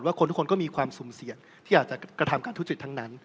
คนทุกคนก็มีความสุ่มเสี่ยงที่อาจจะกระทำการทุจริตทั้งนั้น